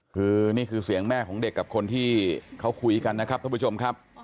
คือนี่คือเสียงแม่ของเด็กกับคนที่เขาคุยกันนะครับท่านผู้ชมครับ